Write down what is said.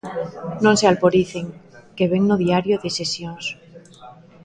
Non se alporicen, que vén no Diario de Sesións.